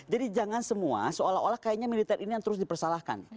jadi jangan semua seolah olah kayaknya militer ini yang terus dipersalahkan